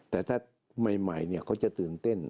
แต่ถ้าใหม่เขาจะตื่นเต้น